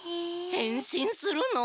へんしんするの？